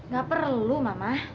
gak perlu mama